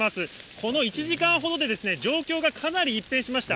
この１時間ほどで、状況がかなり一変しました。